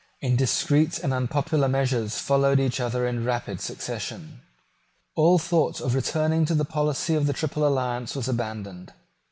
Indiscreet and unpopular measures followed each other in rapid succession. All thought of returning to the policy of the Triple Alliance was abandoned.